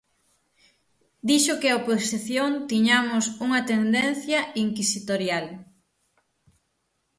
Dixo que a oposición tiñamos unha tendencia inquisitorial.